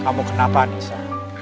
kamu kenapa anissa